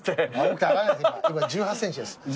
今１８ｃｍです。